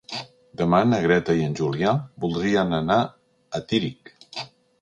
Demà na Greta i en Julià voldrien anar a Tírig.